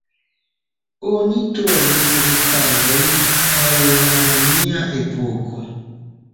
Oni trovis restaĵojn el la romia epoko.